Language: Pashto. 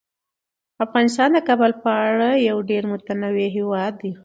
افغانستان د کابل له اړخه یو ډیر متنوع هیواد دی.